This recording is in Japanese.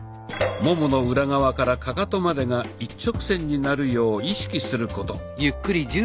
ももの裏側からカカトまでが一直線になるよう意識すること。